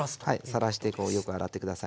さらしてよく洗って下さいね。